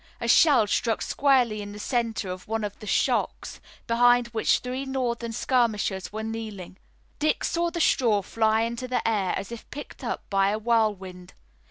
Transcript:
A shell struck squarely in the center of one of the shocks behind which three Northern skirmishers were kneeling. Dick saw the straw fly into the air as if picked up by a whirlwind.